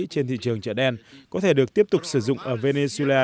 trên thị trường chợ đen có thể được tiếp tục sử dụng ở venezuela